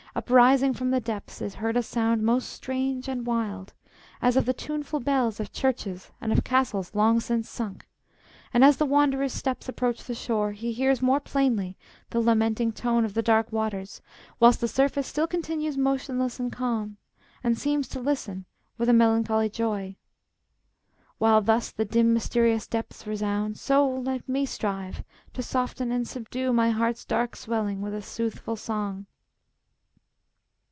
Uprising from the depths, is heard a sound Most strange and wild, as of the tuneful bells Of churches and of castles long since sunk; And as the wanderer's steps approach the shore, He hears more plainly the lamenting tone Of the dark waters, whilst the surface still Continues motionless and calm, and seems To listen with a melancholy joy, While thus the dim mysterious depths resound; So let me strive to soften and subdue My heart's dark swelling with a soothful song.